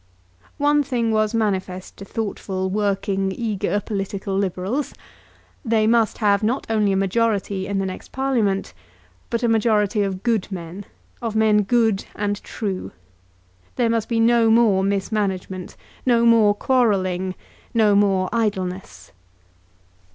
One thing was manifest to thoughtful, working, eager political Liberals. They must have not only a majority in the next Parliament, but a majority of good men of men good and true. There must be no more mismanagement; no more quarrelling; no more idleness.